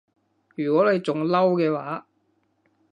如果你仲嬲嘅話